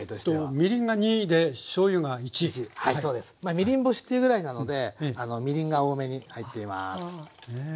みりん干しっていうぐらいなのでみりんが多めに入っています。